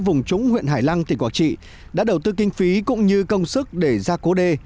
vùng trúng huyện hải lăng tỉnh quảng trị đã đầu tư kinh phí cũng như công sức để ra cố đê